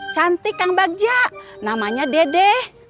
cantik kang bagja namanya dede